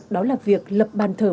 đó là việc lập ban thờ bác hồ